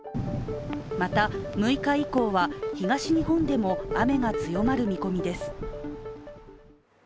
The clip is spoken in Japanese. また、６日以降は東日本でも雨が強まる見込みです。